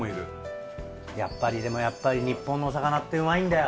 でもやっぱり日本のお魚ってうまいんだよ。